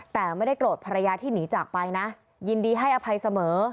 แต่ไม่ได้โกรธภรรยาที่หนีจากไปนะยินดีให้อภัยเสมอ